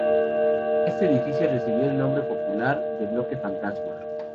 Este edificio recibió el nombre popular de "Bloque fantasma".